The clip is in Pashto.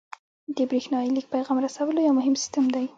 د بریښنایي لیک پیغام رسولو یو مهم سیستم دی.